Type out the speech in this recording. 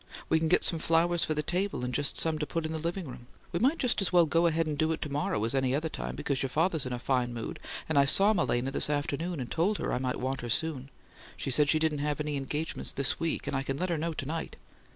We can get some flowers for the table and some to put in the living room. We might just as well go ahead and do it to morrow as any other time; because your father's in a fine mood, and I saw Malena this afternoon and told her I might want her soon. She said she didn't have any engagements this week, and I can let her know to night.